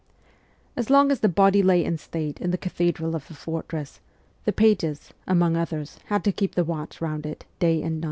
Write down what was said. As long as the body lay in state in the cathedral of the fortress, the pages, among others, had to keep the watch round it, night and day.